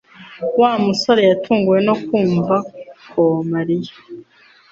Wa musore yatunguwe no kumva ko Mariya